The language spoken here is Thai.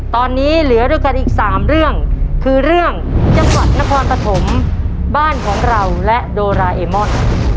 ตอนนี้เหลือด้วยกันอีก๓เรื่องคือเรื่องจังหวัดนครปฐมบ้านของเราและโดราเอมอน